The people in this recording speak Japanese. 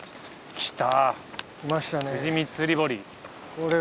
きた！